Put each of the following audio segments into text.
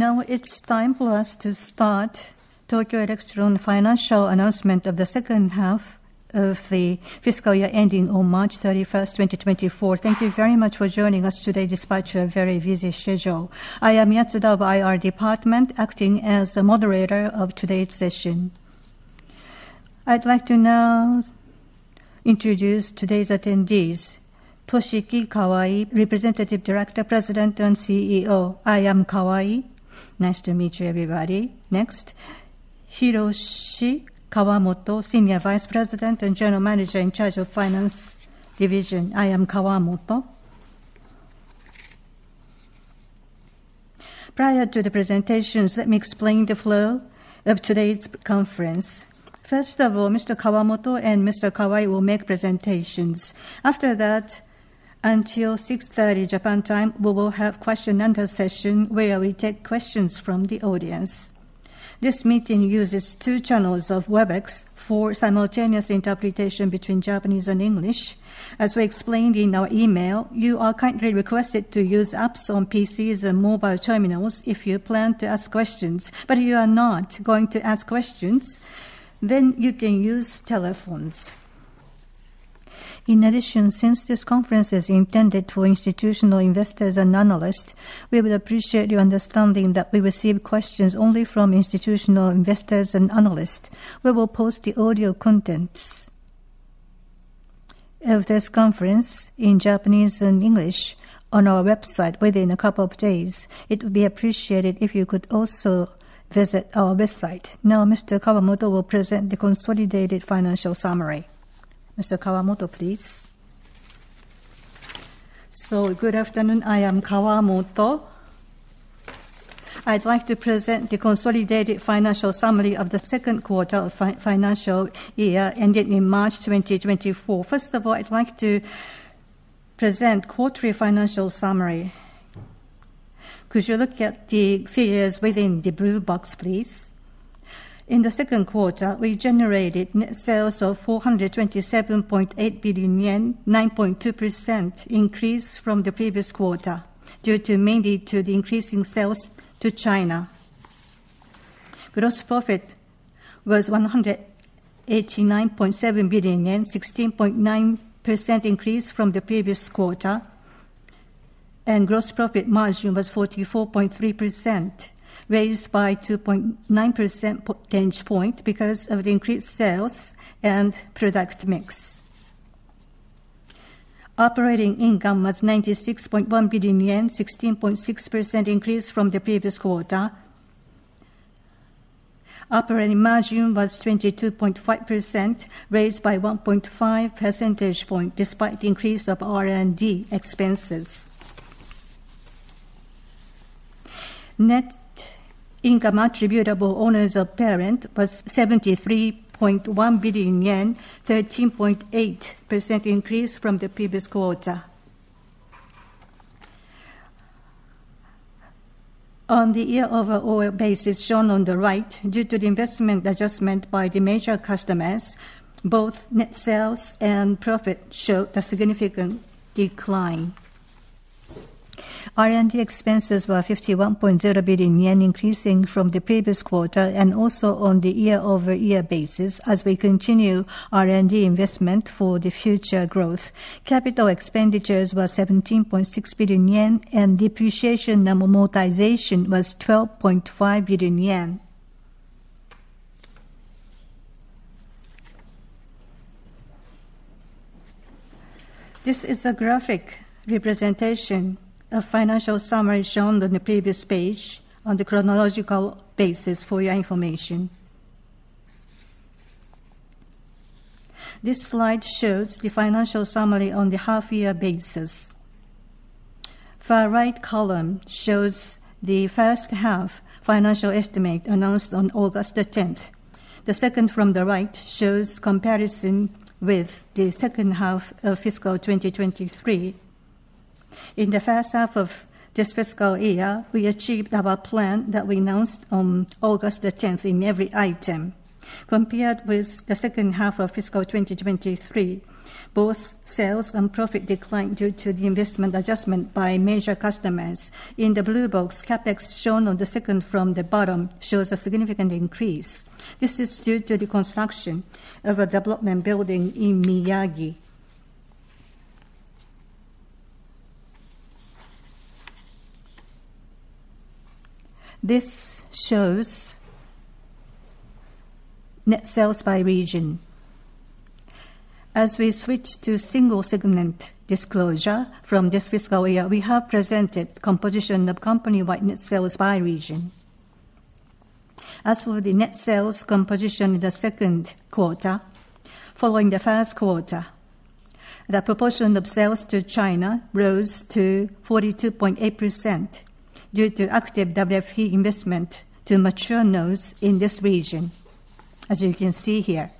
Now it's time for us to start Tokyo Electron Financial Announcement of the Second Half of the Fiscal Year ending on March 31, 2024. Thank you very much for joining us today despite your very busy schedule. I am Yatsuda of IR Department, acting as the moderator of today's session. I'd like to now introduce today's attendees. Toshiki Kawai, Representative Director, President, and CEO. I am Kawai. Nice to meet you, everybody. Next, Hiroshi Kawamoto, Senior Vice President and General Manager in charge of finance division. I am Kawamoto. Prior to the presentations, let me explain the flow of today's conference. First of all, Mr. Kawamoto and Mr. Kawai will make presentations. After that, until 6:30 Japan time, we will have a question-and-answer session where we take questions from the audience. This meeting uses two channels of Webex for simultaneous interpretation between Japanese and English. As we explained in our email, you are kindly requested to use apps on PCs and mobile terminals if you plan to ask questions. But if you are not going to ask questions, then you can use telephones. In addition, since this conference is intended for institutional investors and analysts, we would appreciate you understanding that we receive questions only from institutional investors and analysts. We will post the audio contents of this conference in Japanese and English on our website within a couple of days. It would be appreciated if you could also visit our website. Now, Mr. Kawamoto will present the consolidated financial summary. Mr. Kawamoto, please. So good afternoon. I am Kawamoto. I'd like to present the consolidated financial summary of the second quarter of financial year ending in March 2024. First of all, I'd like to present quarterly financial summary. Could you look at the figures within the blue box, please? In the second quarter, we generated net sales of 427.8 billion yen, 9.2% increase from the previous quarter, due mainly to the increasing sales to China. Gross profit was 189.7 billion yen, 16.9% increase from the previous quarter, and gross profit margin was 44.3%, raised by 2.9 percentage points because of the increased sales and product mix. Operating income was 96.1 billion yen, 16.6% increase from the previous quarter. Operating margin was 22.5%, raised by 1.5 percentage points despite the increase of R&D expenses. Net income attributable to owners of the parent was 73.1 billion yen, 13.8% increase from the previous quarter. On the year-over-year basis shown on the right, due to the investment adjustment by the major customers, both net sales and profit showed a significant decline. R&D expenses were 51.0 billion yen, increasing from the previous quarter and also on the year-over-year basis as we continue R&D investment for the future growth. Capital expenditures were 17.6 billion yen, and depreciation and amortization was 12.5 billion yen. This is a graphic representation of financial summary shown on the previous page on the chronological basis for your information. This slide shows the financial summary on the half-year basis. Far right column shows the first half financial estimate announced on August the tenth. The second from the right shows comparison with the second half of fiscal 2023. In the first half of this fiscal year, we achieved our plan that we announced on August 10 in every item. Compared with the second half of fiscal 2023, both sales and profit declined due to the investment adjustment by major customers. In the blue box, CapEx, shown on the second from the bottom, shows a significant increase. This is due to the construction of a development building in Miyagi. This shows net sales by region. As we switch to single segment disclosure from this fiscal year, we have presented composition of company-wide net sales by region. As for the net sales composition in the second quarter, following the first quarter, the proportion of sales to China rose to 42.8% due to active WFE investment to mature nodes in this region, as you can see here.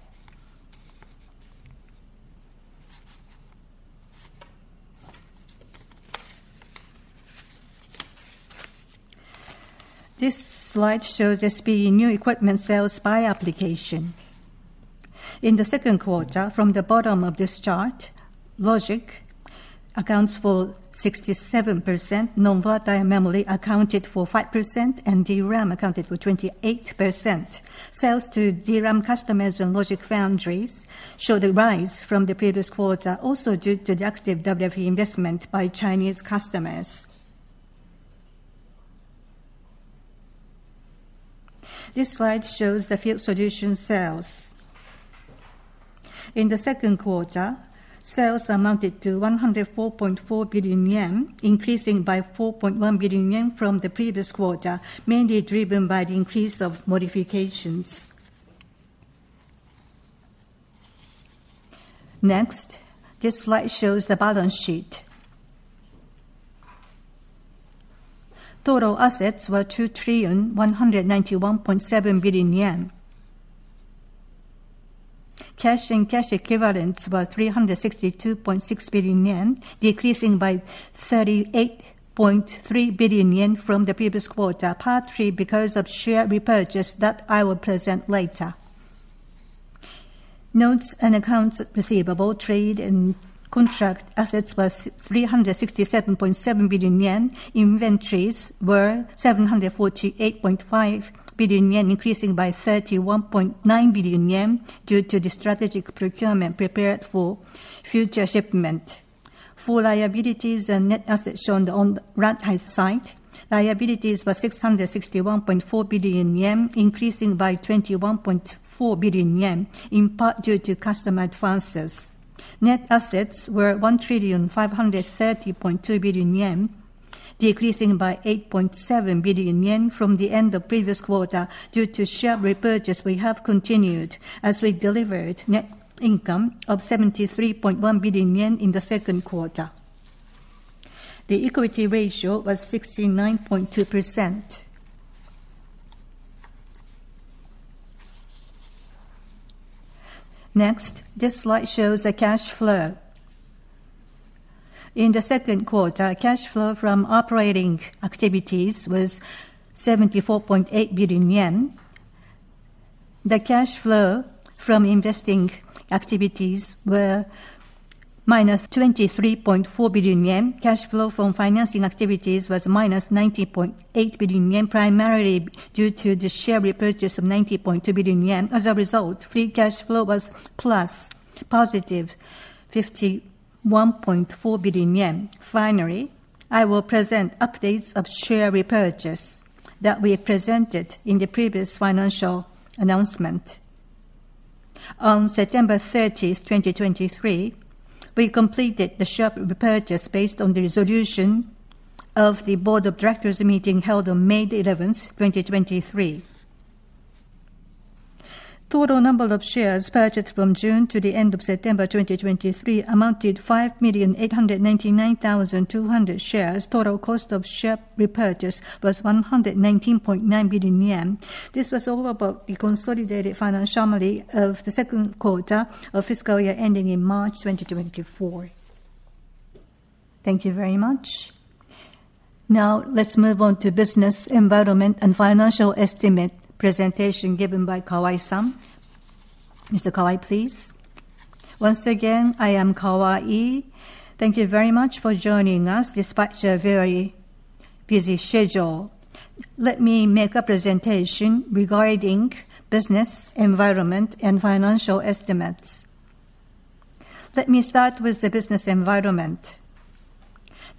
This slide shows SPE new equipment sales by application. In the second quarter, from the bottom of this chart, logic accounts for 67%, non-volatile memory accounted for 5%, and DRAM accounted for 28%. Sales to DRAM customers and logic foundries showed a rise from the previous quarter, also due to the active WFE investment by Chinese customers. This slide shows the field solution sales. In the second quarter, sales amounted to 104.4 billion yen, increasing by 4.1 billion yen from the previous quarter, mainly driven by the increase of modifications. Next, this slide shows the balance sheet. Total assets were 2,191.7 billion yen. Cash and cash equivalents were 362.6 billion yen, decreasing by 38.3 billion yen from the previous quarter, partly because of share repurchase that I will present later. Notes and accounts receivable, trade and contract assets was 367.7 billion yen. Inventories were 748.5 billion yen, increasing by 31.9 billion yen, due to the strategic procurement prepared for future shipment. For liabilities and net assets shown on the right-hand side, liabilities were 661.4 billion yen, increasing by 21.4 billion yen, in part due to customer advances. Net assets were 1,530.2 billion yen, decreasing by 8.7 billion yen from the end of previous quarter due to share repurchase we have continued as we delivered net income of 73.1 billion yen in the second quarter. The equity ratio was 69.2%. Next, this slide shows the cash flow. In the second quarter, cash flow from operating activities was 74.8 billion yen. The cash flow from investing activities were -23.4 billion yen. Cash flow from financing activities was -19.8 billion yen, primarily due to the share repurchase of 90.2 billion yen. As a result, free cash flow was plus positive 51.4 billion yen. Finally, I will present updates of share repurchase that we presented in the previous financial announcement. On September 30th, 2023, we completed the share repurchase based on the resolution of the board of directors meeting held on May 11th, 2023. Total number of shares purchased from June to the end of September 2023 amounted 5,899,200 shares. Total cost of share repurchase was 119.9 billion yen. This was all about the consolidated financial summary of the second quarter of fiscal year ending in March 2024. Thank you very much. Now, let's move on to business environment and financial estimate presentation given by Kawai-san. Mr. Kawai, please. Once again, I am Kawai. Thank you very much for joining us, despite your very busy schedule. Let me make a presentation regarding business environment and financial estimates. Let me start with the business environment.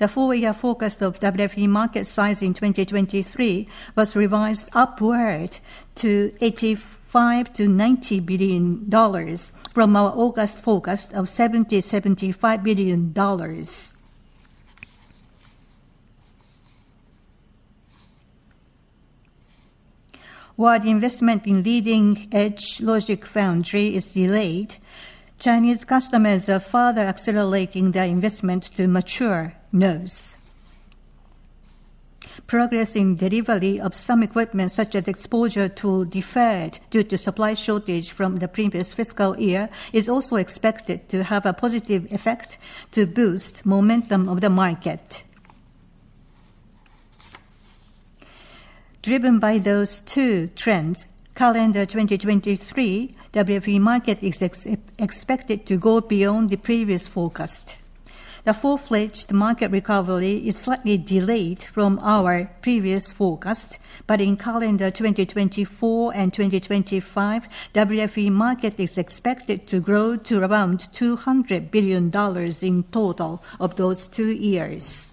The full year forecast of WFE market size in 2023 was revised upward to $85 billion-$90 billion from our August forecast of $70 billion-$75 billion. While the investment in leading-edge logic foundry is delayed, Chinese customers are further accelerating their investment to mature nodes. Progress in delivery of some equipment, such as exposure tools deferred, due to supply shortage from the previous fiscal year, is also expected to have a positive effect to boost momentum of the market. Driven by those two trends, calendar 2023, WFE market is expected to go beyond the previous forecast. The full-fledged market recovery is slightly delayed from our previous forecast, but in calendar 2024 and 2025, WFE market is expected to grow to around $200 billion in total of those two years.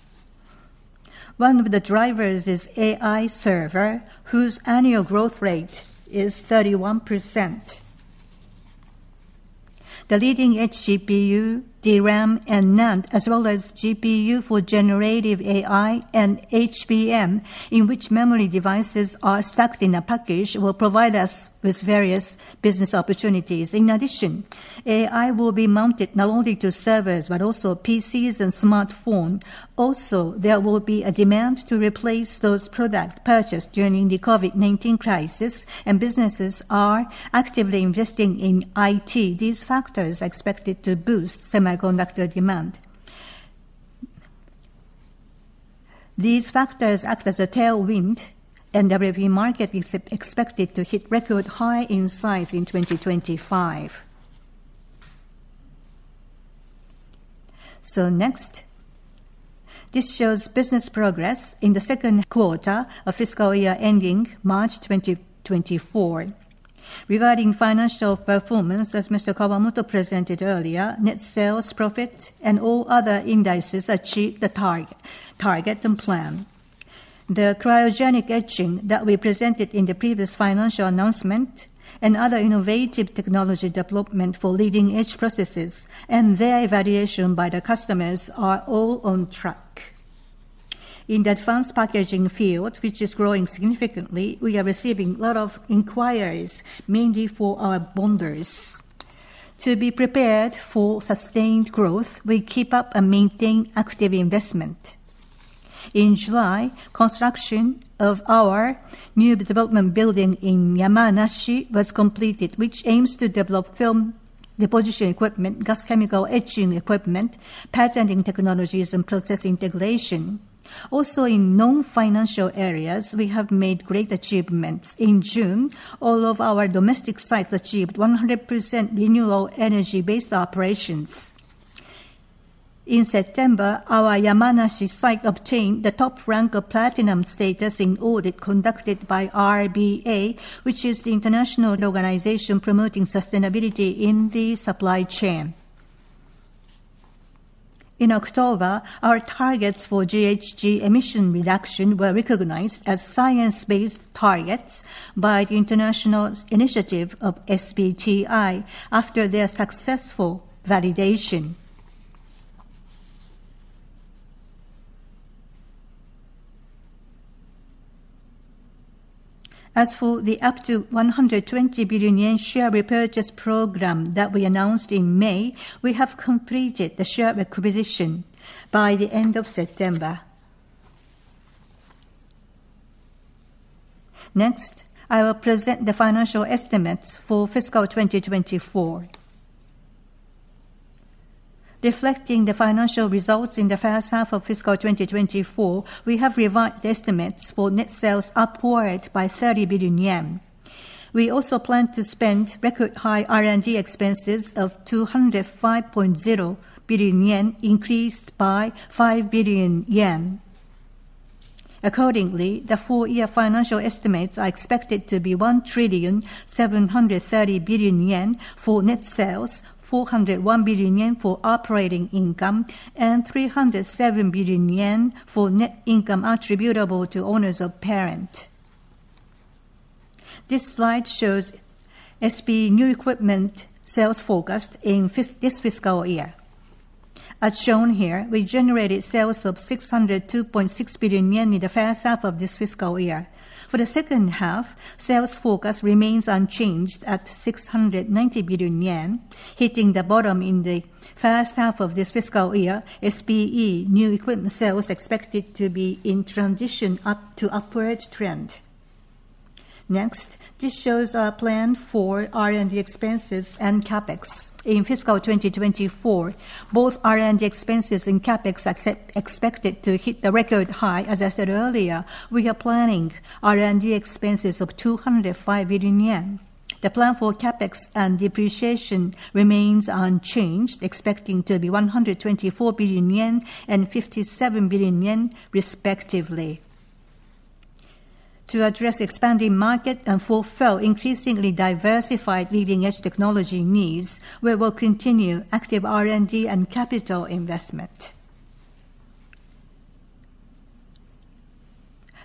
One of the drivers is AI server, whose annual growth rate is 31%. The leading HGPU, DRAM, and NAND, as well as GPU for generative AI and HBM, in which memory devices are stacked in a package, will provide us with various business opportunities. In addition, AI will be mounted not only to servers but also PCs and smartphone. Also, there will be a demand to replace those products purchased during the COVID-19 crisis, and businesses are actively investing in IT. These factors are expected to boost semiconductor demand. These factors act as a tailwind, and WFE market is expected to hit record high in size in 2025. So next, this shows business progress in the second quarter of fiscal year ending March 2024. Regarding financial performance, as Mr. Kawamoto presented earlier, net sales, profit, and all other indices achieved the target and plan. The cryogenic etching that we presented in the previous financial announcement and other innovative technology development for leading-edge processes and their evaluation by the customers are all on track. In the advanced packaging field, which is growing significantly, we are receiving a lot of inquiries, mainly for our bonders. To be prepared for sustained growth, we keep up and maintain active investment. In July, construction of our new development building in Yamanashi was completed, which aims to develop film deposition equipment, gas chemical etching equipment, patterning technologies, and process integration. Also, in non-financial areas, we have made great achievements. In June, all of our domestic sites achieved 100% renewable energy-based operations. In September, our Yamanashi site obtained the top rank of platinum status in audit conducted by RBA, which is the international organization promoting sustainability in the supply chain. In October, our targets for GHG emission reduction were recognized as science-based targets by the International Initiative of SBTi after their successful validation. As for the up to 120 billion yen share repurchase program that we announced in May, we have completed the share repurchase by the end of September. Next, I will present the financial estimates for fiscal 2024. Reflecting the financial results in the first half of fiscal 2024, we have revised the estimates for net sales upward by 30 billion yen. We also plan to spend record high R&D expenses of 205.0 billion yen, increased by 5 billion yen. Accordingly, the full-year financial estimates are expected to be 1,730 billion yen for net sales, 401 billion yen for operating income, and 307 billion yen for net income attributable to owners of parent. This slide shows SPE new equipment sales forecast in this fiscal year. As shown here, we generated sales of 602.6 billion yen in the first half of this fiscal year. For the second half, sales forecast remains unchanged at 690 billion yen, hitting the bottom in the first half of this fiscal year. SPE new equipment sales expected to be in transition up to upward trend. Next, this shows our plan for R&D expenses and CapEx. In fiscal 2024, both R&D expenses and CapEx expected to hit the record high. As I said earlier, we are planning R&D expenses of 205 billion yen. The plan for CapEx and depreciation remains unchanged, expecting to be 124 billion yen and 57 billion yen, respectively. To address expanding market and fulfill increasingly diversified leading-edge technology needs, we will continue active R&D and capital investment.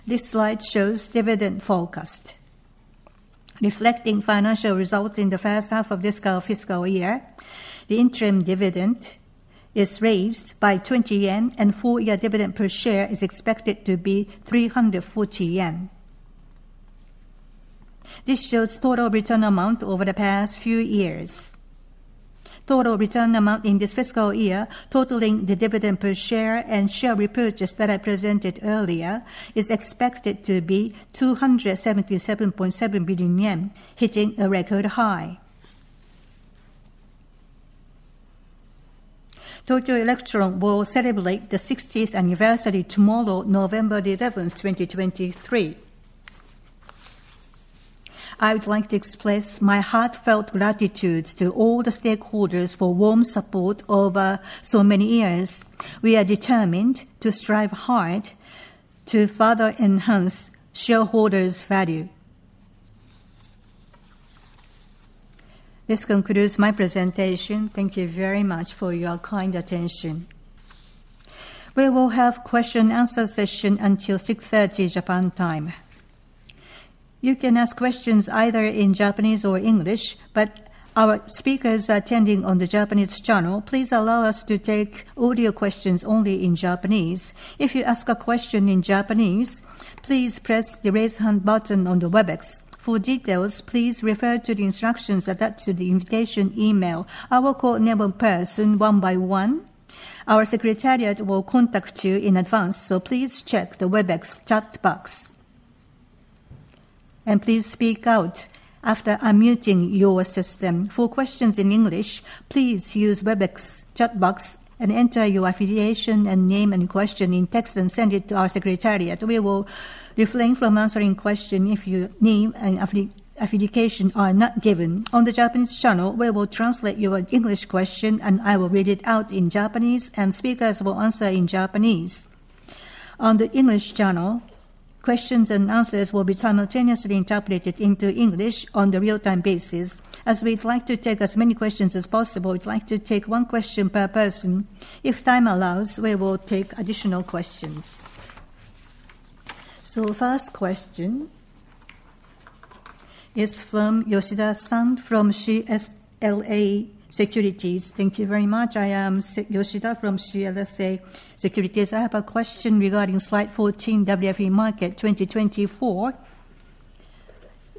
This slide shows dividend forecast. Reflecting financial results in the first half of this fiscal year, the interim dividend is raised by 20 yen, and full year dividend per share is expected to be 340 yen. This shows total return amount over the past few years. Total return amount in this fiscal year, totaling the dividend per share and share repurchase that I presented earlier, is expected to be 277.7 billion yen, hitting a record high. Tokyo Electron will celebrate the sixtieth anniversary tomorrow, November the eleventh, 2023. I would like to express my heartfelt gratitude to all the stakeholders for warm support over so many years. We are determined to strive hard to further enhance shareholders' value. This concludes my presentation. Thank you very much for your kind attention. We will have question and answer session until 6:30, Japan time. You can ask questions either in Japanese or English, but our speakers are attending on the Japanese channel. Please allow us to take audio questions only in Japanese. If you ask a question in Japanese, please press the Raise Hand button on the Webex. For details, please refer to the instructions attached to the invitation email. I will call name and person one by one. Our secretariat will contact you in advance, so please check the Webex chat box. Please speak out after unmuting your system. For questions in English, please use Webex chat box and enter your affiliation and name and question in text, and send it to our secretariat. We will refrain from answering question if your name and affiliation are not given. On the Japanese channel, we will translate your English question, and I will read it out in Japanese, and speakers will answer in Japanese. On the English channel, questions and answers will be simultaneously interpreted into English on the real-time basis. As we'd like to take as many questions as possible, we'd like to take one question per person. If time allows, we will take additional questions. So first question is from Yoshida-san, from CLSA Securities. Thank you very much. I am Yoshida from CLSA Securities. I have a question regarding slide 14, WFE Market 2024.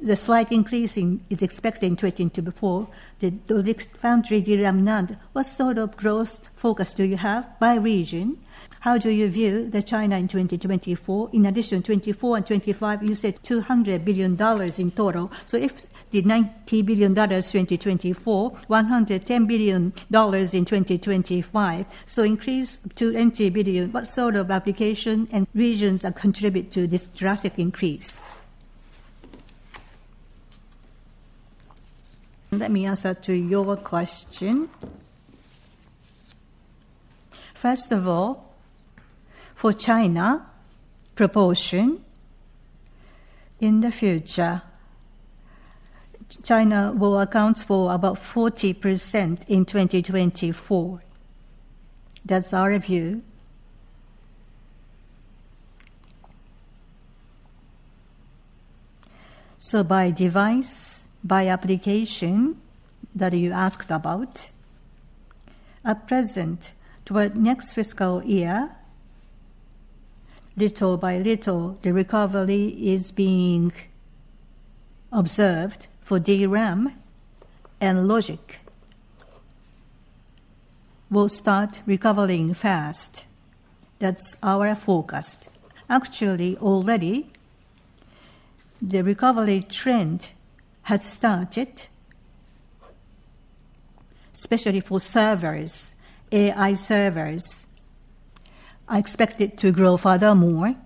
The slight increase in is expected in 2024, the foundry DRAM NAND. What sort of growth forecast do you have by region? How do you view China in 2024? In addition, 2024 and 2025, you said $200 billion in total. So if the $90 billion in 2024, $110 billion in 2025, so increase to $20 billion. What sort of application and regions are contribute to this drastic increase? Let me answer to your question. First of all, for China proportion, in the future, China will account for about 40% in 2024. That's our view. So by device, by application that you asked about, at present, toward next fiscal year, little by little, the recovery is being observed for DRAM, and logic will start recovering fast. That's our forecast. Actually, already, the recovery trend has started, especially for servers, AI servers. I expect it to grow furthermore,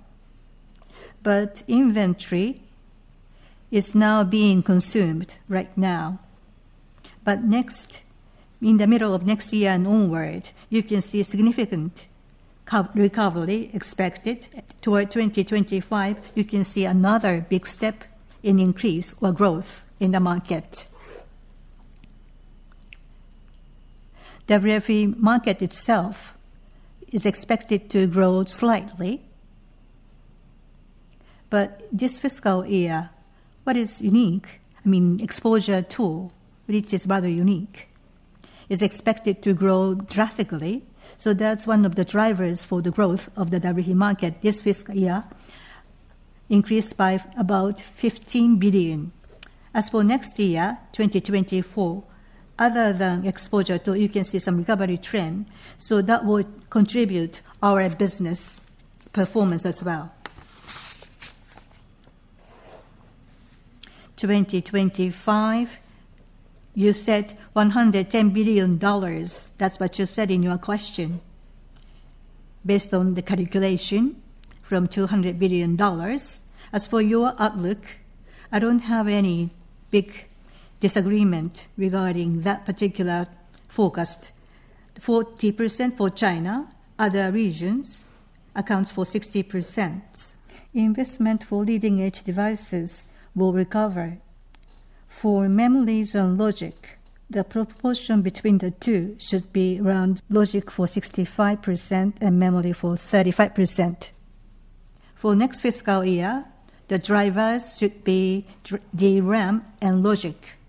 but inventory is now being consumed right now. But next, in the middle of next year and onward, you can see a significant recovery expected. Toward 2025, you can see another big step in increase or growth in the market. The WFE market itself is expected to grow slightly, but this fiscal year, what is unique, I mean, exposure tool, which is rather unique, is expected to grow drastically. So that's one of the drivers for the growth of the WFE market this fiscal year, increased by about $15 billion. As for next year, 2024, other than exposure tool, you can see some recovery trend, so that will contribute our business performance as well. 2025, you said $110 billion. That's what you said in your question. Based on the calculation from $200 billion, as for your outlook, I don't have any big disagreement regarding that particular forecast. 40% for China, other regions accounts for 60%. Investment for leading-edge devices will recover. For memories and logic, the proportion between the two should be around logic for 65% and memory for 35%. For next fiscal year, the drivers should be DRAM and logic.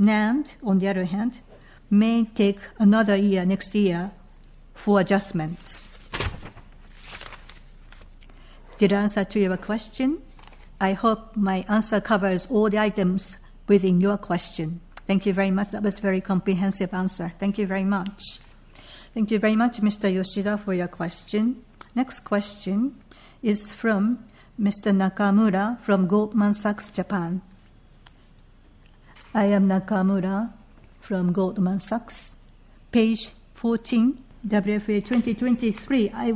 NAND, on the other hand, may take another year, next year, for adjustments. Did I answer to your question? I hope my answer covers all the items within your question. Thank you very much. That was a very comprehensive answer. Thank you very much. Thank you very much, Mr. Yoshida, for your question. Next question is from Mr. Nakamura from Goldman Sachs, Japan. I am Nakamura from Goldman Sachs. Page 14, WFE 2023, I...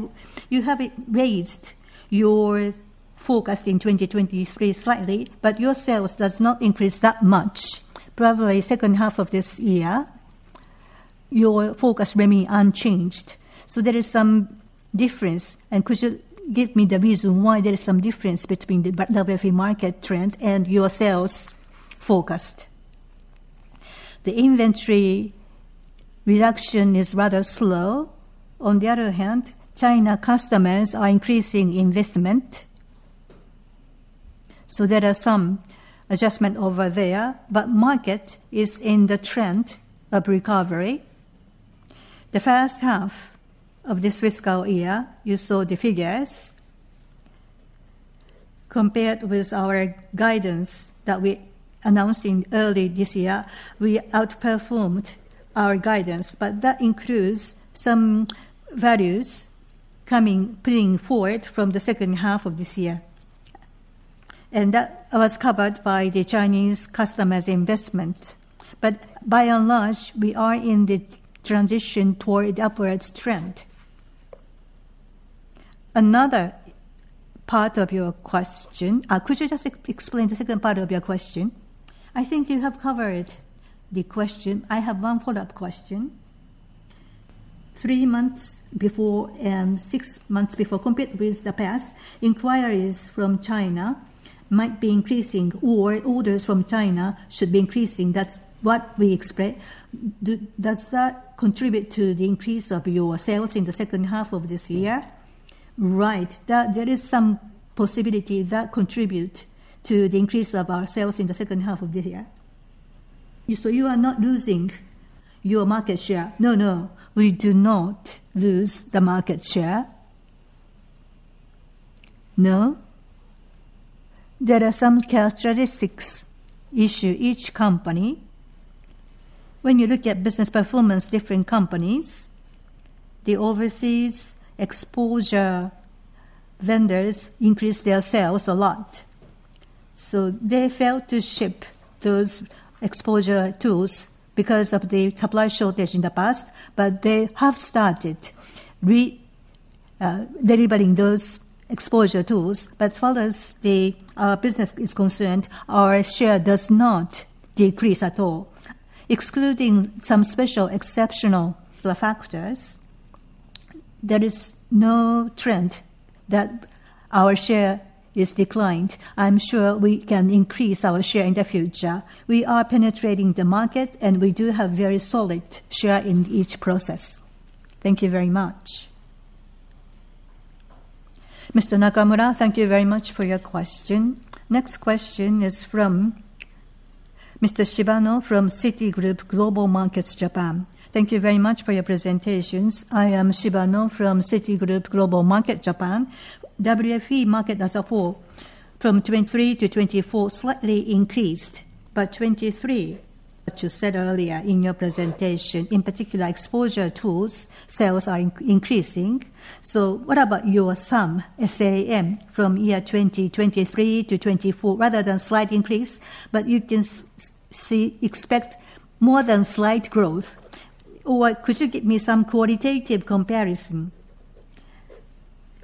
You have raised your forecast in 2023 slightly, but your sales does not increase that much. Probably second half of this year, your forecast remain unchanged, so there is some difference. Could you give me the reason why there is some difference between the WFE market trend and your sales forecast? The inventory reduction is rather slow. On the other hand, China customers are increasing investment, so there are some adjustment over there. But market is in the trend of recovery. The first half of this fiscal year, you saw the figures. Compared with our guidance that we announced in early this year, we outperformed our guidance, but that includes some values coming, putting forward from the second half of this year. And that was covered by the Chinese customers' investment. But by and large, we are in the transition toward upwards trend. Another part of your question, could you just explain the second part of your question? I think you have covered the question. I have one follow-up question. Three months before and six months before, compared with the past, inquiries from China might be increasing, or orders from China should be increasing. That's what we expect. Does that contribute to the increase of your sales in the second half of this year? Right. That there is some possibility that contribute to the increase of our sales in the second half of the year. So you are not losing your market share? No, no, we do not lose the market share. No, there are some characteristic issues each company. When you look at business performance, different companies, the overseas exposure vendors increase their sales a lot. So they failed to ship those exposure tools because of the supply shortage in the past, but they have started delivering those exposure tools. But as well as the business is concerned, our share does not decrease at all. Excluding some special exceptional factors, there is no trend that our share is declined. I'm sure we can increase our share in the future. We are penetrating the market, and we do have very solid share in each process. Thank you very much. Mr. Nakamura, thank you very much for your question. Next question is from Mr. Shibano from Citigroup Global Markets Japan. Thank you very much for your presentations. I am Shibano from Citigroup Global Markets Japan. WFE market as a whole, from 2023 to 2024, slightly increased by 23, which you said earlier in your presentation. In particular, exposure tools sales are increasing. So what about your SAM, S-A-M, from year 2023 to 2024, rather than slight increase, but you can see, expect more than slight growth? Or could you give me some qualitative comparison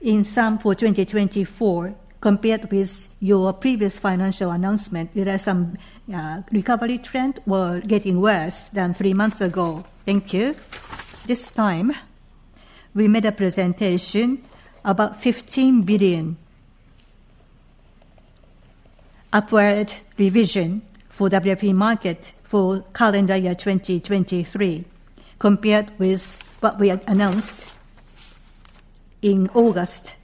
in SAM for 2024 compared with your previous financial announcement? Is there some, recovery trend or getting worse than three months ago? Thank you. This time, we made a presentation about $15 billion upward revision for WFE market for calendar year 2023, compared with what we had announced in August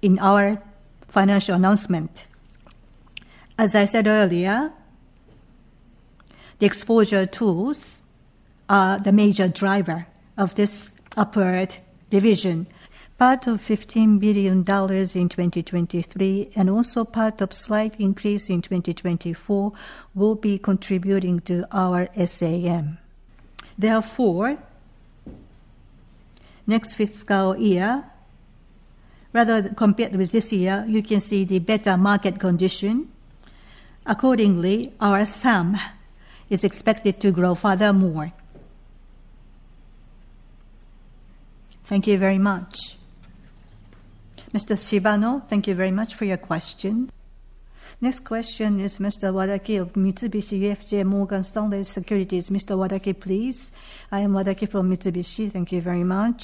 in our financial announcement. As I said earlier, the exposure tools are the major driver of this upward revision. Part of $15 billion in 2023 and also part of slight increase in 2024 will be contributing to our SAM. Therefore, next fiscal year, rather compared with this year, you can see the better market condition. Accordingly, our SAM is expected to grow furthermore. Thank you very much. Mr. Shibano, thank you very much for your question. Next question is Mr. Wadaki of Mitsubishi UFJ Morgan Stanley Securities. Mr. Wadaki, please. I am Wadaki from Mitsubishi. Thank you very much.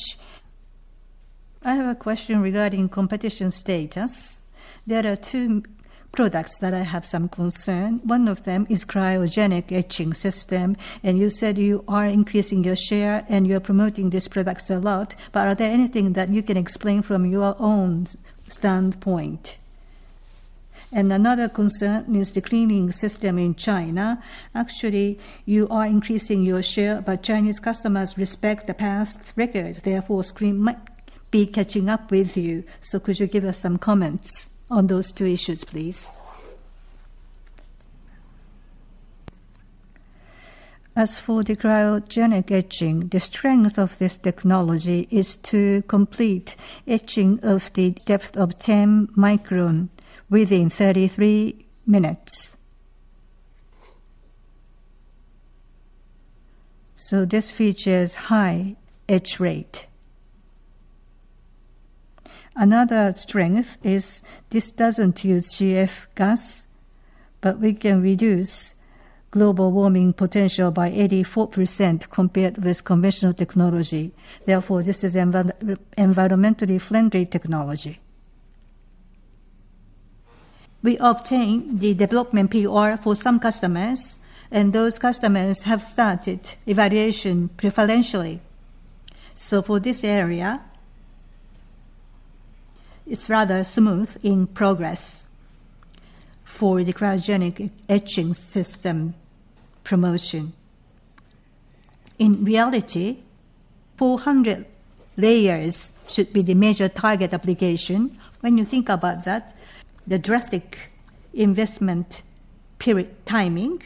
I have a question regarding competition status. There are two products that I have some concern. One of them is cryogenic etching system, and you said you are increasing your share and you're promoting these products a lot, but are there anything that you can explain from your own standpoint? Another concern is the cleaning system in China. Actually, you are increasing your share, but Chinese customers respect the past record; therefore, SCREEN might be catching up with you. So could you give us some comments on those two issues, please? As for the Cryogenic Etching, the strength of this technology is to complete etching of the depth of 10 micron within 33 minutes. So this features high etch rate. Another strength is this doesn't use CF gas, but we can reduce global warming potential by 84% compared with conventional technology. Therefore, this is environmentally friendly technology. We obtained the development POR for some customers, and those customers have started evaluation preferentially. So for this area, it's rather smooth in progress for the cryogenic etching system promotion. In reality, 400 layers should be the major target application. When you think about that, the drastic investment period timing,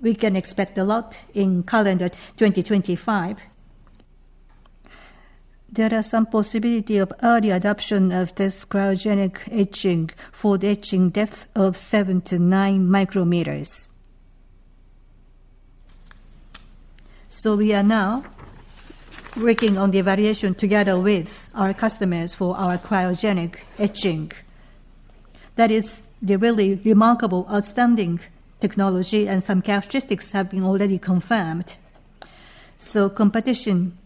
we can expect a lot in calendar 2025. There are some possibility of early adoption of this cryogenic etching for the etching depth of 7-9 micrometers. So we are now working on the evaluation together with our customers for our cryogenic etching. That is the really remarkable, outstanding technology, and some characteristics have been already confirmed. So competition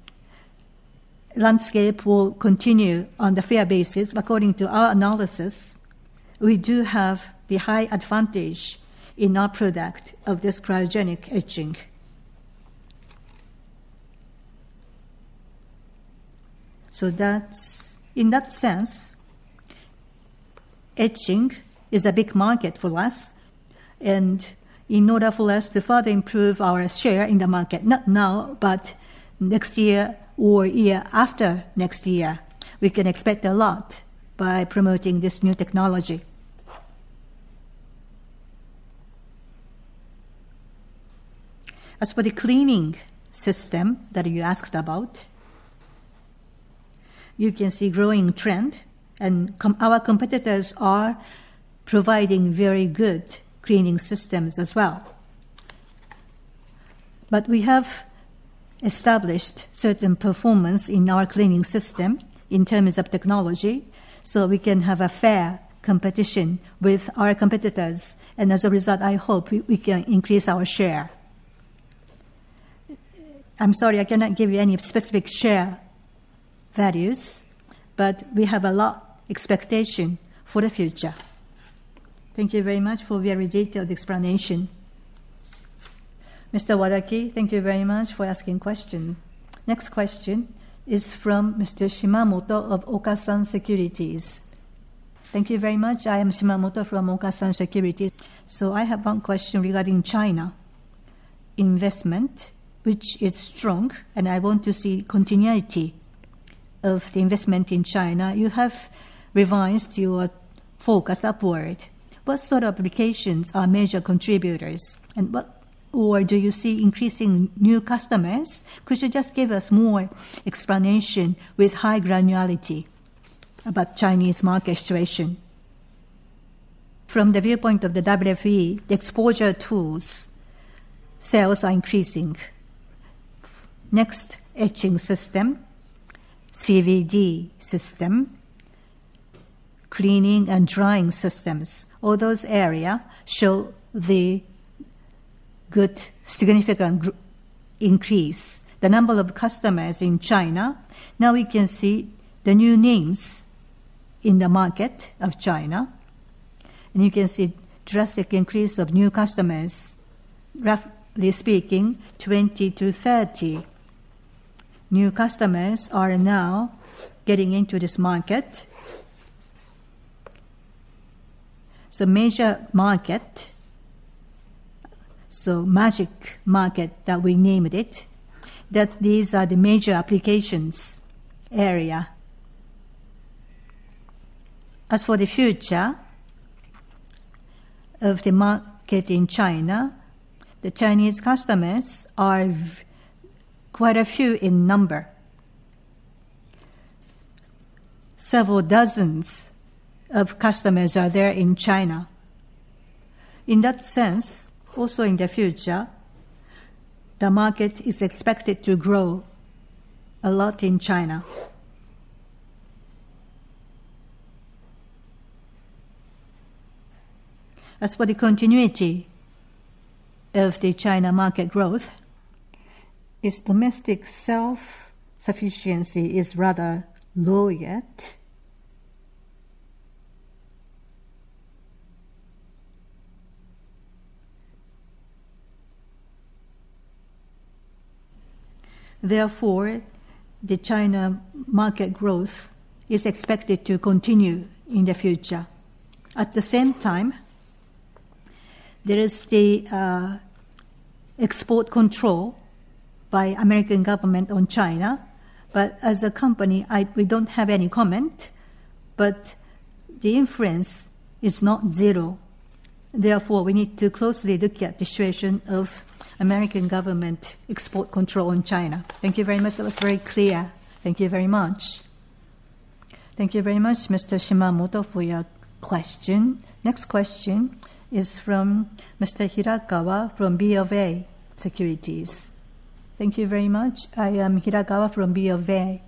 landscape will continue on the fair basis. According to our analysis, we do have the high advantage in our product of this cryogenic etching. So that's, in that sense, etching is a big market for us, and in order for us to further improve our share in the market, not now, but next year or year after next year, we can expect a lot by promoting this new technology. As for the cleaning system that you asked about, you can see a growing trend, and our competitors are providing very good cleaning systems as well. But we have established certain performance in our cleaning system in terms of technology, so we can have a fair competition with our competitors, and as a result, I hope we can increase our share. I'm sorry, I cannot give you any specific share values, but we have a lot of expectation for the future. Thank you very much for a very detailed explanation. Mr. Wadaki, thank you very much for asking question. Next question is from Mr. Shimamoto of Okasan Securities. Thank you very much. I am Shimamoto from Okasan Securities. So I have one question regarding China investment, which is strong, and I want to see continuity of the investment in China. You have revised your forecast upward. What sort of applications are major contributors, and what-- or do you see increasing new customers? Could you just give us more explanation with high granularity about Chinese market situation? From the viewpoint of the WFE, the exposure tools, sales are increasing. Next, etching system, CVD system, cleaning and drying systems, all those areas show good significant growth. The number of customers in China, now we can see the new names in the market of China, and you can see drastic increase of new customers. Roughly speaking, 20-30 new customers are now getting into this market. So major market, that we named it, that these are the major applications area. As for the future of the market in China, the Chinese customers are quite a few in number. Several dozens of customers are there in China. In that sense, also in the future, the market is expected to grow a lot in China. As for the continuity of the China market growth, its domestic self-sufficiency is rather low yet. Therefore, the China market growth is expected to continue in the future. At the same time, there is the export control by American government on China, but as a company, we don't have any comment, but the influence is not zero. Therefore, we need to closely look at the situation of American government export control in China. Thank you very much. That was very clear. Thank you very much. Thank you very much, Mr. Shimamoto, for your question. Next question is from Mr. Hirakawa from BofA Securities. Thank you very much. I am Hirakawa from BofA.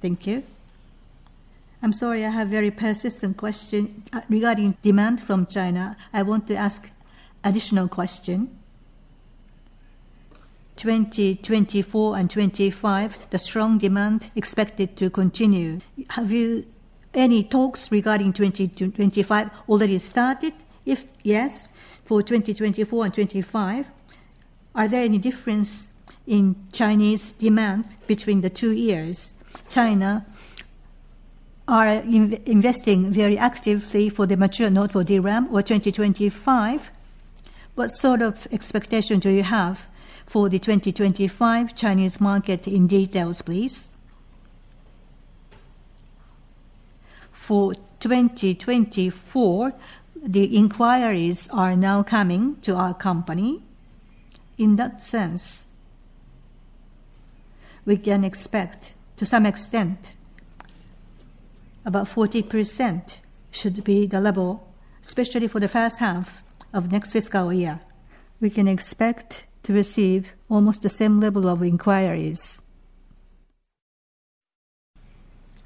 Thank you. I'm sorry, I have very persistent question, regarding demand from China. I want to ask additional question. 2024 and 2025, the strong demand expected to continue. Have you any talks regarding 2024 to 2025 already started? If yes, for 2024 and 2025, are there any difference in Chinese demand between the two years? China are investing very actively for the mature node for DRAM or 2025. What sort of expectation do you have for the 2025 Chinese market in details, please? For 2024, the inquiries are now coming to our company.In that sense, we can expect, to some extent, about 40% should be the level, especially for the first half of next fiscal year. We can expect to receive almost the same level of inquiries.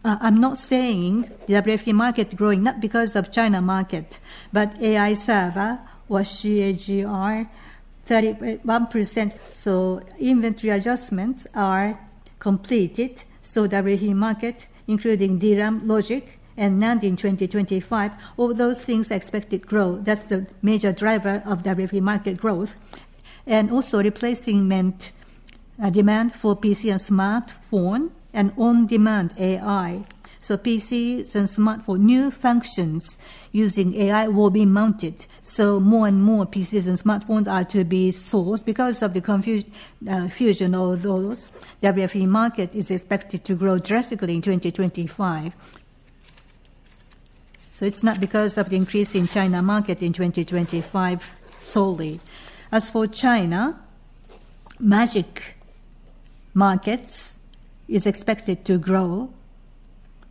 I'm not saying the WFE market growing, not because of China market, but AI server was CAGR 31%, so inventory adjustments are completed. So WFE market, including DRAM, logic, and NAND in 2025, all those things expected growth. That's the major driver of WFE market growth. And also replacement demand for PC and smartphone and on-demand AI. So PCs and smartphone, new functions using AI will be mounted, so more and more PCs and smartphones are to be sourced. Because of the fusion of those, WFE market is expected to grow drastically in 2025. It's not because of the increase in China market in 2025 solely. As for China, China market is expected to grow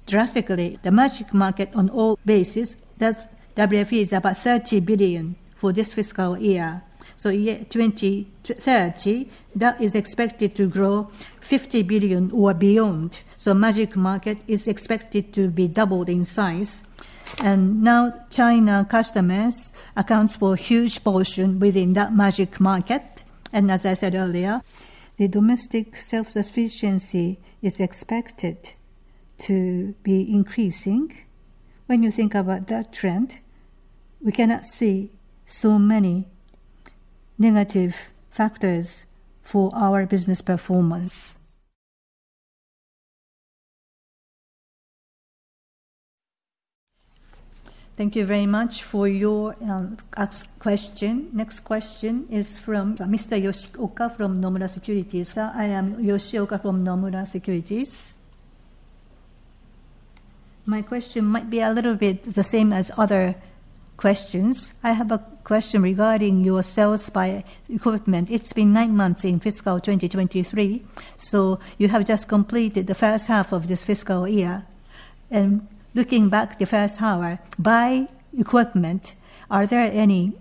drastically. The China market overall basis, that's WFE, is about $30 billion for this fiscal year. So year 2020 to 2030, that is expected to grow $50 billion or beyond. So China market is expected to be doubled in size. And now, China customers accounts for a huge portion within that China market. And as I said earlier, the domestic self-sufficiency is expected to be increasing. When you think about that trend, we cannot see so many negative factors for our business performance. Thank you very much for your asking the question. Next question is from Mr. Yoshioka from Nomura Securities. I am Yoshioka from Nomura Securities. My question might be a little bit the same as other questions. I have a question regarding your sales by equipment. It's been 9 months in fiscal 2023, so you have just completed the first half of this fiscal year. Looking back the first half, by equipment, are there any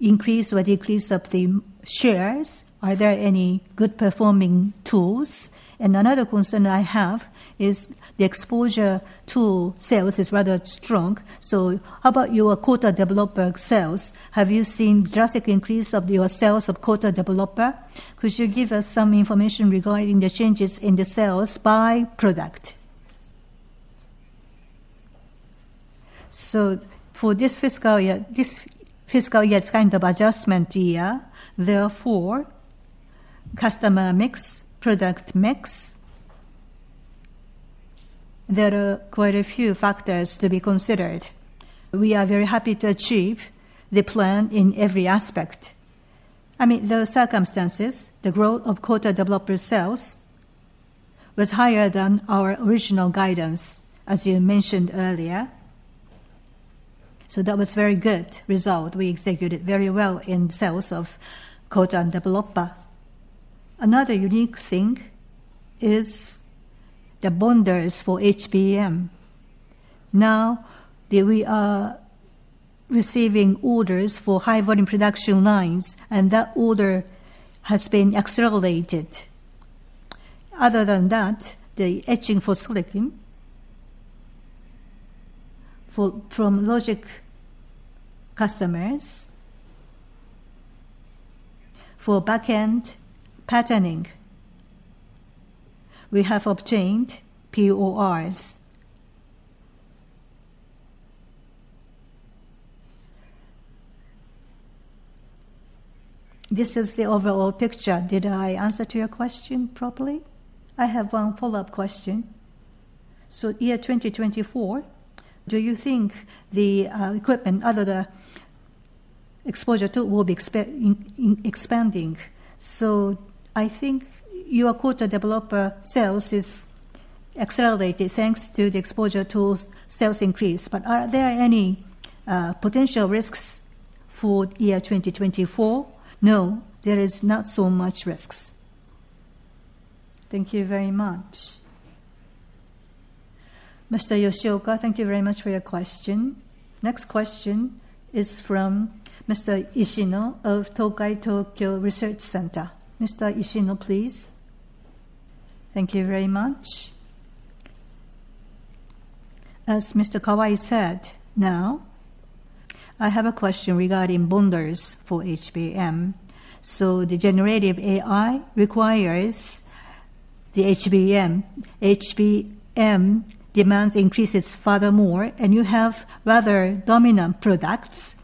increase or decrease of the shares? Are there any good performing tools? Another concern I have is the exposure to sales is rather strong. How about your coater/developer sales? Have you seen drastic increase of your sales of coater/developer? Could you give us some information regarding the changes in the sales by product? For this fiscal year, this fiscal year is kind of adjustment year, therefore, customer mix, product mix, there are quite a few factors to be considered. We are very happy to achieve the plan in every aspect. I mean, those circumstances, the growth of coater/developer sales was higher than our original guidance, as you mentioned earlier. So that was very good result. We executed very well in sales of Coater and Developer. Another unique thing is the bonder for HBM. Now that we are receiving orders for high-volume production lines, and that order has been accelerated. Other than that, the Etching for silicon from logic customers for back-end patterning, we have obtained PORs. This is the overall picture. Did I answer to your question properly? I have one follow-up question. So year 2024, do you think the equipment other than exposure tool will be expected to expand? So I think your coater/developer sales is accelerated, thanks to the exposure tools sales increase. But are there any potential risks for year 2024? No, there is not so much risks. Thank you very much. Mr. Yoshioka, thank you very much for your question. Next question is from Mr. Ishino of Tokai Tokyo Research Center. Mr. Ishino, please. Thank you very much. As Mr. Kawai said, now, I have a question regarding bonders for HBM. So the generative AI requires the HBM. HBM demands increases furthermore, and you have rather dominant products,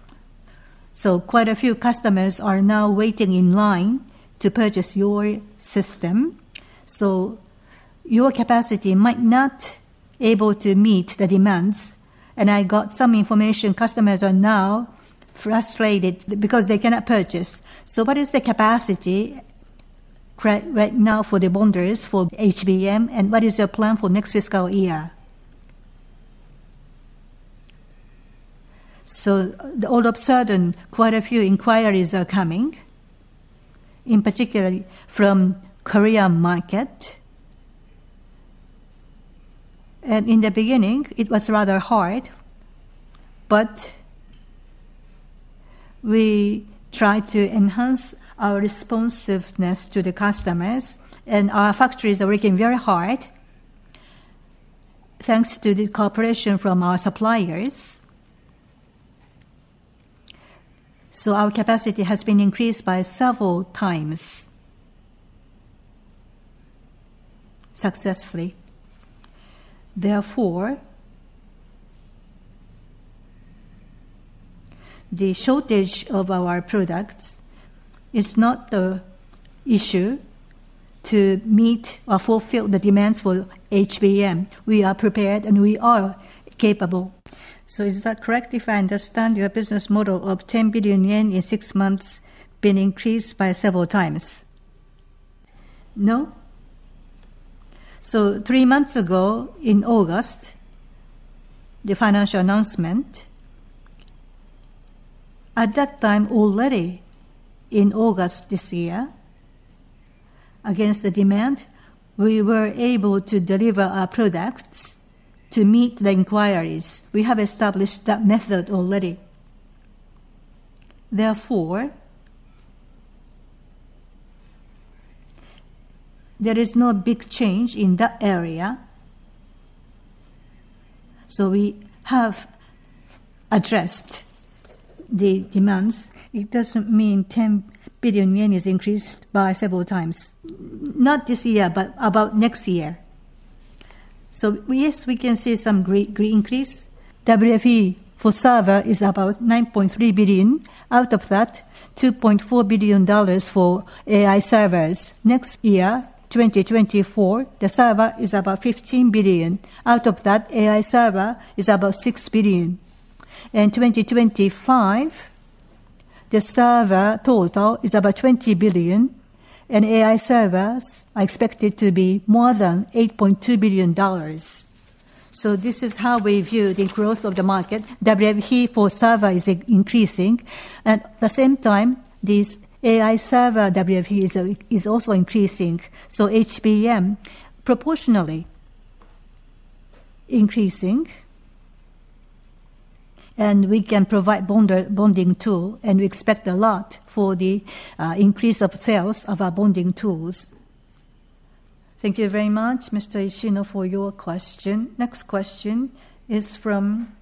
so quite a few customers are now waiting in line to purchase your system, so your capacity might not able to meet the demands. And I got some information customers are now frustrated because they cannot purchase. So what is the capacity current right now for the bonders for HBM, and what is your plan for next fiscal year? So, all of sudden, quite a few inquiries are coming, in particular from Korea market. In the beginning, it was rather hard, but we tried to enhance our responsiveness to the customers, and our factories are working very hard, thanks to the cooperation from our suppliers. So our capacity has been increased by several times successfully. Therefore, the shortage of our products is not the issue to meet or fulfill the demands for HBM. We are prepared, and we are capable. So is that correct, if I understand your business model of 10 billion yen in six months, been increased by several times? No. So three months ago, in August, the financial announcement, at that time already, in August this year, against the demand, we were able to deliver our products to meet the inquiries. We have established that method already. Therefore, there is no big change in that area, so we have addressed the demands. It doesn't mean 10 billion yen is increased by several times. Not this year, but about next year. So yes, we can see some increase. WFE for server is about $9.3 billion. Out of that, $2.4 billion for AI servers. Next year, 2024, the server is about $15 billion. Out of that, AI server is about $6 billion. In 2025, the server total is about $20 billion, and AI servers are expected to be more than $8.2 billion. So this is how we view the growth of the market. WFE for server is increasing. At the same time, this AI server WFE is also increasing, so HBM proportionally increasing. And we can provide bonder, bonding, too, and we expect a lot for the increase of sales of our bonding tools. Thank you very much, Mr. Ishino, for your question. Next question is from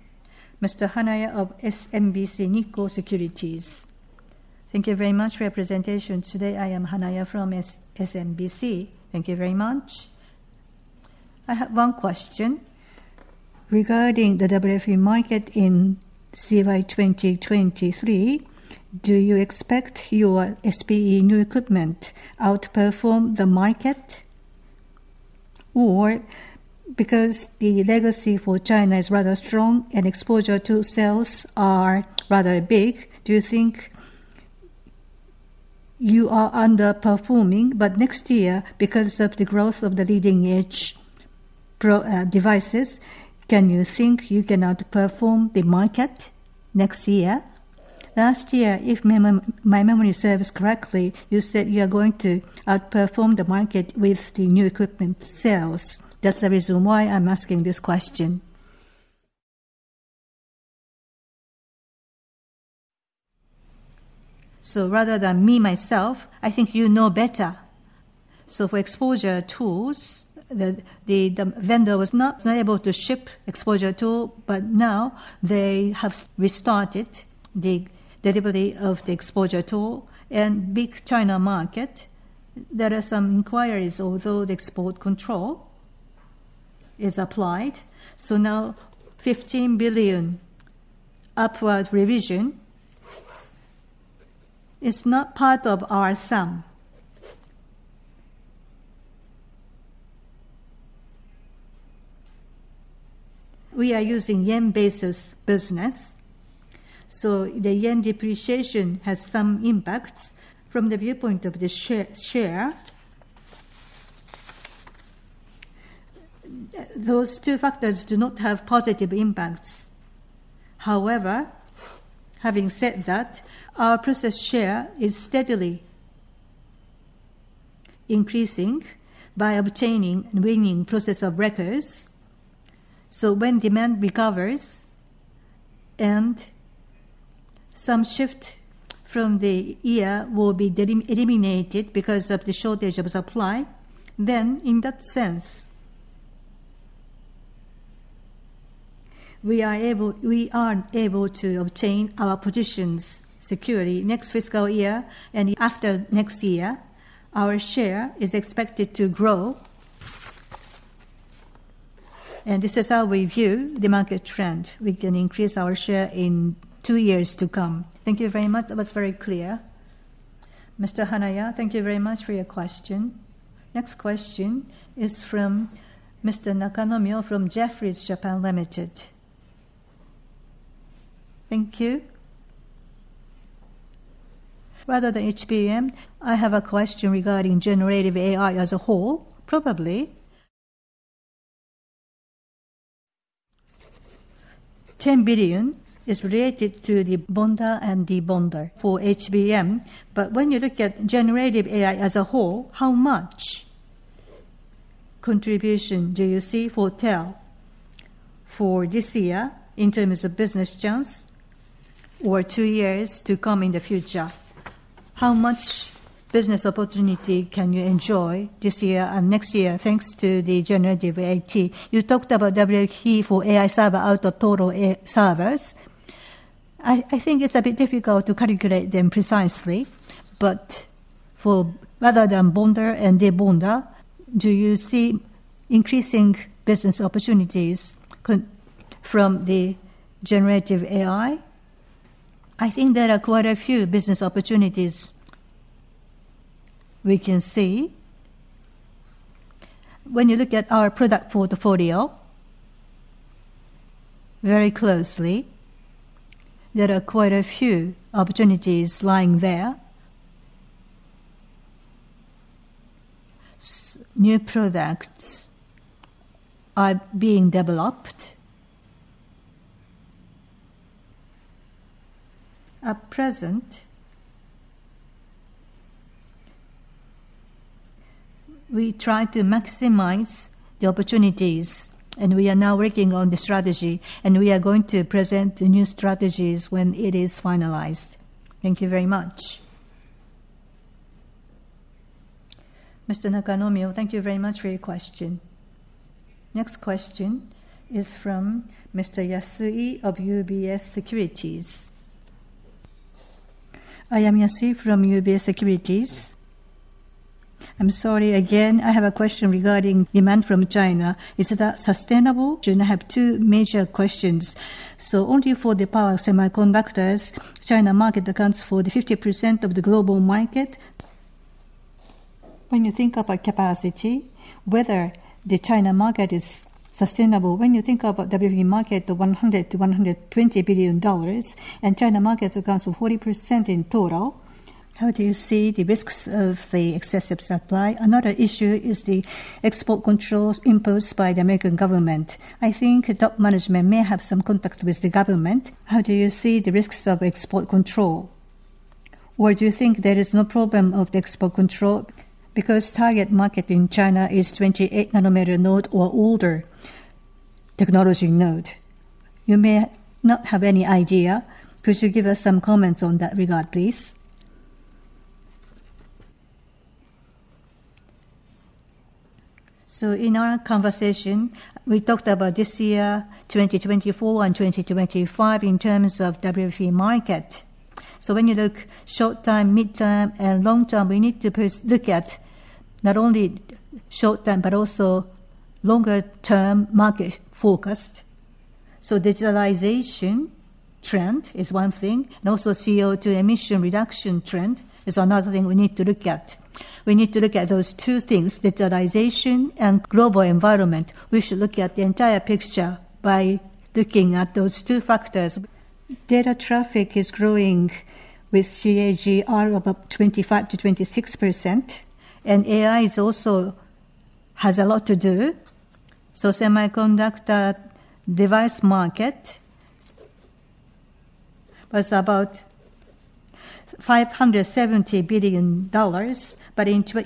Mr. Hanaya of SMBC Nikko Securities. Thank you very much for your presentation today. I am Hanaya from SMBC. Thank you very much. I have one question: regarding the WFE market in CY 2023, do you expect your SPE new equipment outperform the market? Or because the legacy for China is rather strong and exposure to sales are rather big, do you think you are underperforming? But next year, because of the growth of the leading-edge pro devices, can you think you can outperform the market next year? Last year, if my memory serves correctly, you said you are going to outperform the market with the new equipment sales. That's the reason why I'm asking this question. So rather than me myself, I think you know better. So for exposure tools, the vendor was not able to ship exposure tool, but now they have restarted the delivery of the exposure tool. And big China market, there are some inquiries, although the export control is applied. So now 15 billion upward revision is not part of our sum. We are using yen basis business, so the yen depreciation has some impacts. From the viewpoint of the share, those two factors do not have positive impacts. However, having said that, our process share is steadily increasing by obtaining and winning process of records. So when demand recovers and some shift from the year will be eliminated because of the shortage of supply, then, in that sense, we are able to obtain our positions securely. Next fiscal year, and after next year, our share is expected to grow. This is how we view the market trend. We can increase our share in two years to come. Thank you very much. That was very clear. Mr. Hanaya, thank you very much for your question. Next question is from Mr. Nakanomyo from Jefferies Japan Limited. Thank you. Rather than HBM, I have a question regarding generative AI as a whole, probably. 10 billion is related to the bonder and debonder for HBM, but when you look at generative AI as a whole, how much contribution do you see for TEL for this year in terms of business chance or two years to come in the future? How much business opportunity can you enjoy this year and next year, thanks to the generative AI? You talked about WFE for AI server out of total servers. I think it's a bit difficult to calculate them precisely, but rather than bonder and debonder, do you see increasing business opportunities coming from the generative AI? I think there are quite a few business opportunities we can see. When you look at our product portfolio very closely, there are quite a few opportunities lying there. So, new products are being developed. At present, we try to maximize the opportunities, and we are now working on the strategy, and we are going to present the new strategies when it is finalized. Thank you very much. Mr. Nakanomiya, thank you very much for your question. Next question is from Mr. Yasui of UBS Securities. I am Yasui from UBS Securities. I'm sorry again, I have a question regarding demand from China. Is it sustainable? And I have two major questions. So only for the power semiconductors, China market accounts for the 50% of the global market. When you think about capacity, whether the China market is sustainable, when you think about the WFE market, the $100 billion-$120 billion, and China market accounts for 40% in total, how do you see the risks of the excessive supply? Another issue is the export controls imposed by the American government. I think top management may have some contact with the government. How do you see the risks of export control? Or do you think there is no problem of the export control because target market in China is 28 nanometer node or older technology node? You may not have any idea. Could you give us some comments on that regard, please? So in our conversation, we talked about this year, 2024 and 2025, in terms of WFE market. So when you look short term, mid-term, and long term, we need to first look at not only short term, but also longer term market forecast. So digitalization trend is one thing, and also CO2 emission reduction trend is another thing we need to look at. We need to look at those two things, digitalization and global environment. We should look at the entire picture by looking at those two factors. Data traffic is growing with CAGR of about 25%-26%, and AI is also has a lot to do. So semiconductor device market was about $570 billion, but into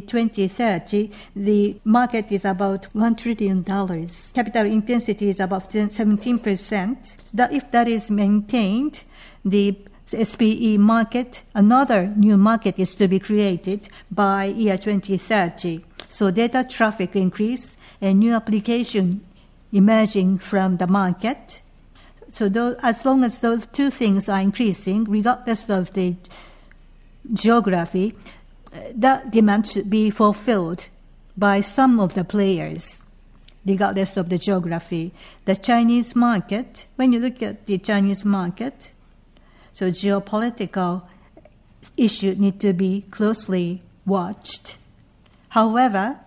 2030, the market is about $1 trillion. Capital intensity is about 10-17%. If that is maintained, the SPE market, another new market, is to be created by year 2030. So data traffic increase and new application emerging from the market. So as long as those two things are increasing, regardless of the geography, that demand should be fulfilled by some of the players, regardless of the geography. The Chinese market, when you look at the Chinese market, so geopolitical issue need to be closely watched. However,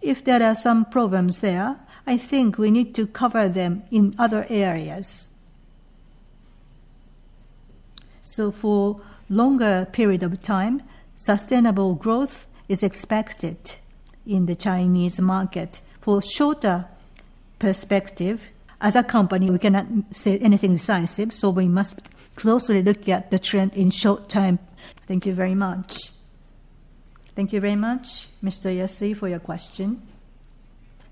if there are some problems there, I think we need to cover them in other areas. So for longer period of time, sustainable growth is expected in the Chinese market. For shorter perspective, as a company, we cannot say anything decisive, so we must closely look at the trend in short term. Thank you very much. Thank you very much, Mr. Yasui, for your question.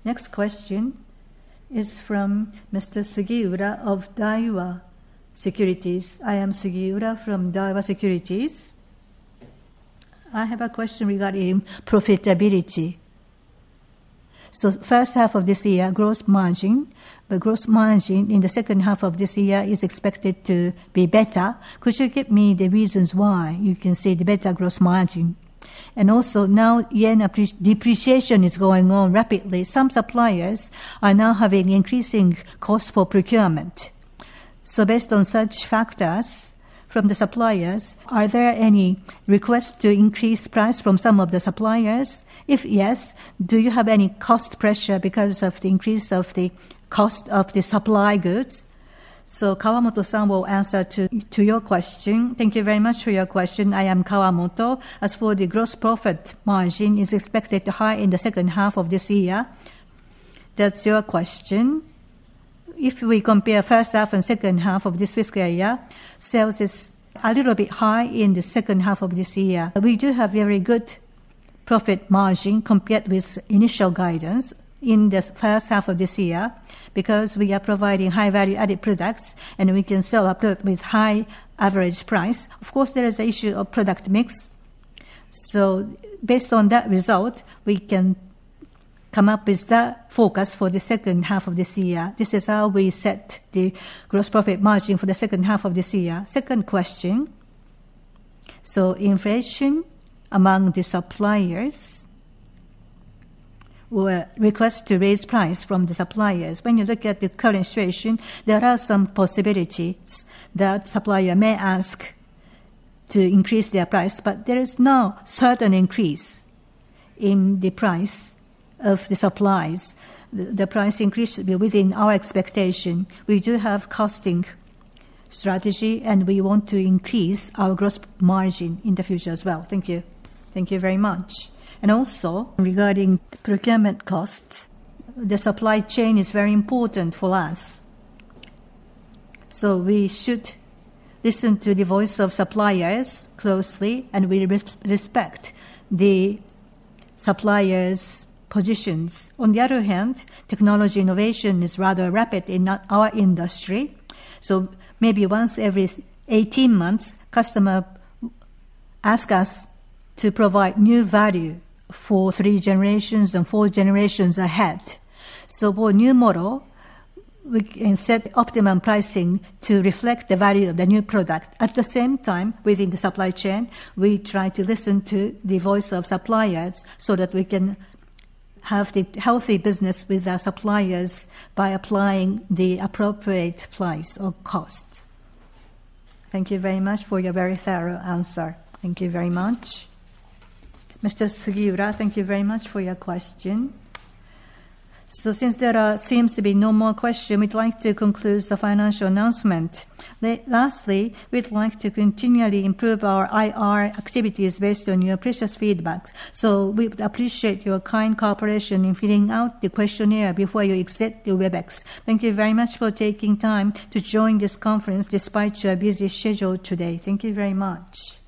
Next question is from Mr. Sugiura of Daiwa Securities. I am Sugiura from Daiwa Securities. I have a question regarding profitability. So first half of this year, gross margin, but gross margin in the second half of this year is expected to be better. Could you give me the reasons why you can see the better gross margin? And also, now Japanese yen depreciation is going on rapidly. Some suppliers are now having increasing cost for procurement. So based on such factors from the suppliers, are there any requests to increase price from some of the suppliers? If yes, do you have any cost pressure because of the increase of the cost of the supply goods? So Kawamoto-san will answer to your question. Thank you very much for your question. I am Kawamoto. As for the gross profit margin, is expected to high in the second half of this year. That's your question. If we compare first half and second half of this fiscal year, sales is a little bit high in the second half of this year. We do have very good profit margin compared with initial guidance in this first half of this year, because we are providing high value-added products, and we can sell a product with high average price. Of course, there is an issue of product mix. So based on that result, we can come up with the forecast for the second half of this year. This is how we set the gross profit margin for the second half of this year. Second question. So inflation among the suppliers were requests to raise price from the suppliers. When you look at the current situation, there are some possibilities that supplier may ask to increase their price, but there is no certain increase in the price of the supplies. The price increase should be within our expectation. We do have costing strategy, and we want to increase our gross margin in the future as well. Thank you. Thank you very much. And also, regarding procurement costs, the supply chain is very important for us. So we should listen to the voice of suppliers closely, and we respect the suppliers' positions. On the other hand, technology innovation is rather rapid in our industry, so maybe once every 18 months, customer ask us to provide new value for three generations and four generations ahead. So for a new model, we can set optimum pricing to reflect the value of the new product. At the same time, within the supply chain, we try to listen to the voice of suppliers, so that we can have the healthy business with our suppliers by applying the appropriate price or cost. Thank you very much for your very thorough answer. Thank you very much. Mr. Sugiura, thank you very much for your question. So since there seems to be no more question, we'd like to conclude the financial announcement. Lastly, we'd like to continually improve our IR activities based on your precious feedbacks. So we'd appreciate your kind cooperation in filling out the questionnaire before you exit the WebEx. Thank you very much for taking time to join this conference, despite your busy schedule today. Thank you very much.